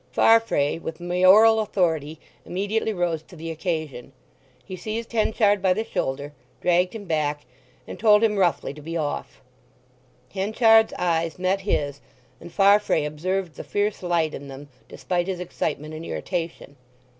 Farfrae, with Mayoral authority, immediately rose to the occasion. He seized Henchard by the shoulder, dragged him back, and told him roughly to be off. Henchard's eyes met his, and Farfrae observed the fierce light in them despite his excitement and irritation.